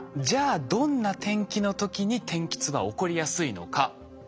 じゃあどんな天気の時に天気痛は起こりやすいのか？